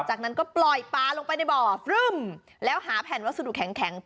จากนั้นก็ปล่อยปลาลงไปในบ่อฟรึ่มแล้วหาแผ่นวัสดุแข็ง